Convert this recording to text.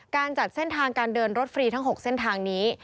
จัดเส้นทางการเดินรถฟรีทั้ง๖เส้นทางนี้